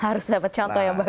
harus dapat contoh yang bagus